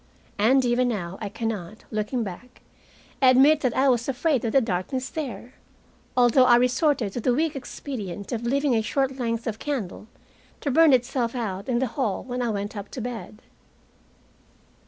And even now I can not, looking back, admit that I was afraid of the darkness there, although I resorted to the weak expedient of leaving a short length of candle to burn itself out in the hall when I went up to bed.